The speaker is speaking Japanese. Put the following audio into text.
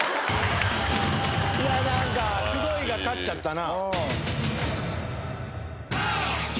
何かすごいが勝っちゃったな。